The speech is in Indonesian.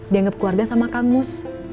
dianggap keluarga sama kang mus